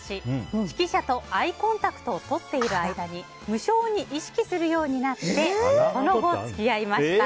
指揮者とアイコンタクトをとっている間に無性に意識するようになってその後、付き合いました。